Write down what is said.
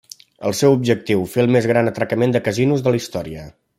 El seu objectiu: fer el més gran atracament de casinos de la història.